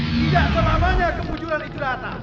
tidak selamanya kemunculan itu rata